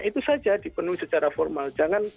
itu saja dipenuhi secara formal jangan